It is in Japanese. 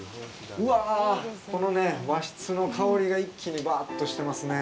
この和室の香りが一気にばっとしてますね。